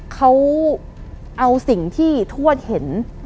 เขาเอาสิ่งที่ทวดเห็น